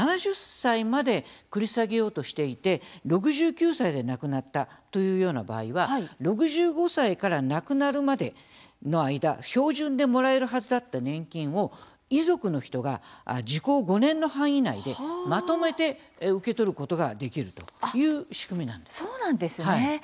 ７０歳まで繰り下げようとしていて６９歳で亡くなったというような場合は６５歳から亡くなるまでの間標準でもらえるはずだった年金を遺族の人が時効５年の範囲内でまとめて受け取ることができるそうなんですね。